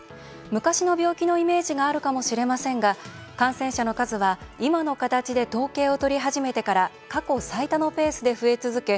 昔の病気のイメージがあるかもしれませんが感染者の数は今の形で統計を取り始めてから過去最多のペースで増え続け